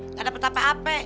nggak dapet apa apa